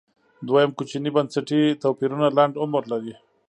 دویم کوچني بنسټي توپیرونه لنډ عمر لري